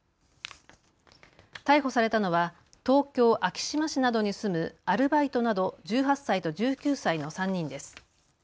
逮捕されたのは東京昭島市などに住むアルバイトなど１８歳と１９歳の３人です。